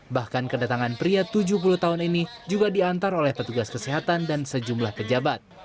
bahkan kedatangan pria tujuh puluh tahun ini juga diantar oleh petugas kesehatan dan sejumlah pejabat